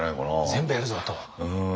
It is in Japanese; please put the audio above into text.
全部やるぞと。